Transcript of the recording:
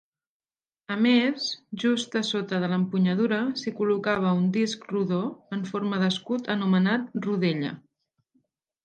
A més, just a sota de l'empunyadura s'hi col·locava un disc rodó en forma d'escut anomenat "rodella".